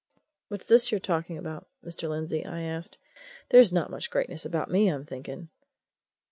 "What's this you're talking about, Mr. Lindsey?" I asked. "There's not much greatness about me, I'm thinking!"